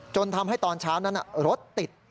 จนทำให้ตอนเช้านั้นรถติด